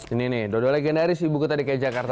ini nih dodol legendaris ibu kota di kek jakarta